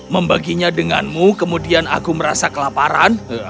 membaginya denganmu kemudian aku merasa kelaparan